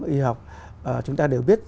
y học chúng ta đều biết